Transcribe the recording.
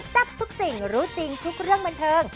ทับทุกสิ่งรู้จริงทุกเรื่องบันเทิง